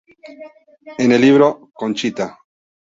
En el libro "Conchita.